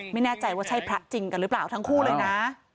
ไม่แน่ใจว่าใช่พระจริงกันหรือเปล่าทั้งคู่เลยนะ